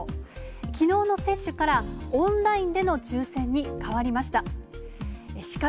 きのうの接種から、オンラインでの抽せんに変わりました。